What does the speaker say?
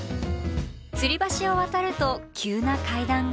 つり橋を渡ると急な階段が。